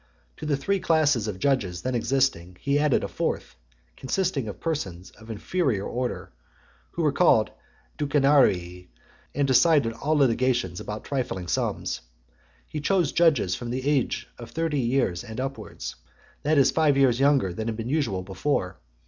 To the three classes of judges then existing, he added a fourth, consisting of persons of inferior order, who were called Ducenarii, and decided all litigations about trifling sums. He chose judges from the age of thirty years and upwards; that is five years younger than had been usual before.